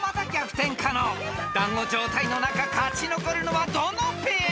［団子状態の中勝ち残るのはどのペア？］